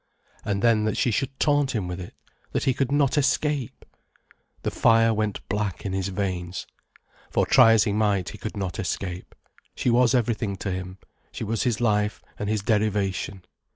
And then that she should taunt him with it, that he could not escape! The fire went black in his veins. For try as he might, he could not escape. She was everything to him, she was his life and his derivation.